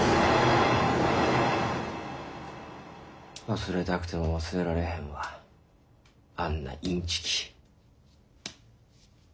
忘れたくても忘れられへんわあんなインチキ。